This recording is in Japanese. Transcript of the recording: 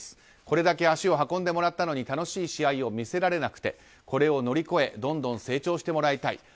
これだけ足を運んでもらったのに楽しい試合を見せられなくてこれを乗り越えどんどん成長してもらいたい。